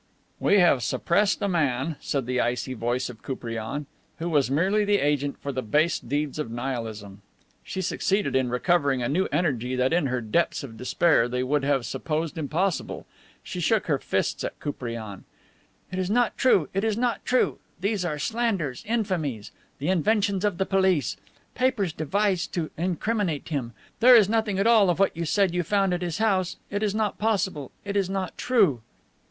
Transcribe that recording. "We have suppressed a man," said the icy voice of Koupriane, "who was merely the agent for the base deeds of Nihilism." She succeeded in recovering a new energy that in her depths of despair they would have supposed impossible. She shook her fists at Koupriane: "It is not true, it is not true. These are slanders, infamies! The inventions of the police! Papers devised to incriminate him. There is nothing at all of what you said you found at his house. It is not possible. It is not true."